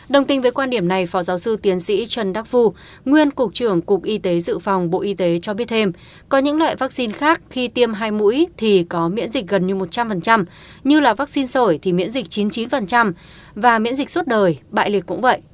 đồng tình với quan điểm này phó giáo sư tiến sĩ trần đắc phu nguyên cục trưởng cục y tế dự phòng bộ y tế cho biết thêm có những loại vaccine khác khi tiêm hai mũi thì có miễn dịch gần như một trăm linh như là vaccine sởi thì miễn dịch chín mươi chín và miễn dịch suốt đời bại liệt cũng vậy